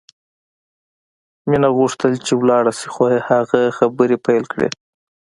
مینه غوښتل چې لاړه شي خو هغه خبرې پیل کړې